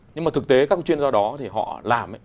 nhưng mà thực tế các chuyên gia đó thì họ làm ấy